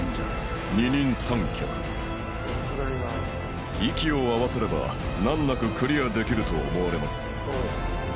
２人３脚息を合わせれば難なくクリアできると思われます